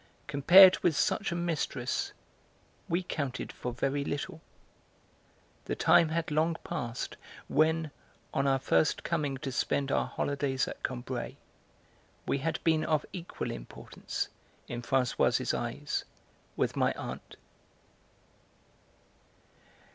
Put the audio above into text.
Compared with such a mistress we counted for very little. The time had long passed when, on our first coming to spend our holidays at Combray, we had been of equal importance, in Françoise eyes, with my aunt.